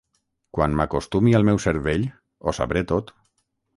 Quan m'acostumi al meu cervell, ho sabré tot.